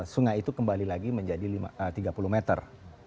sungai itu kembali lagi menjadi tiga puluh meter